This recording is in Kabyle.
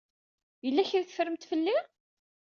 Yella kra ay teffremt fell-i?